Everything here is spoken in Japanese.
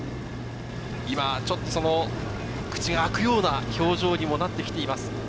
今、口が開くような表情にもなってきています。